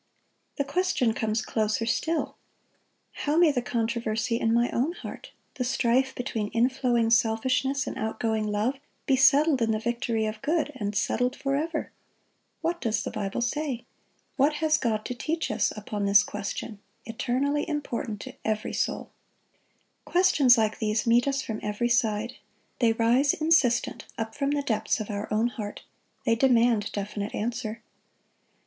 The question comes closer still: How may the controversy in my own heart, the strife between inflowing selfishness and outgoing love, be settled in the victory of good, and settled forever? What does the Bible say? What has God to teach us upon this question, eternally important to every soul? Questions like these meet us from every side. They rise insistent up from the depths of our own heart. They demand definite answer.